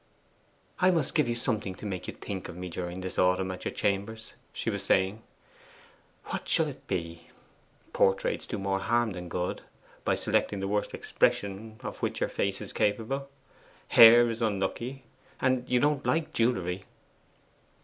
'I must give you something to make you think of me during this autumn at your chambers,' she was saying. 'What shall it be? Portraits do more harm than good, by selecting the worst expression of which your face is capable. Hair is unlucky. And you don't like jewellery.